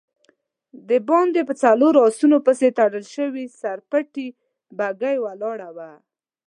د باندی په څلورو آسونو پسې تړل شوې سر پټې بګۍ ولاړه وه.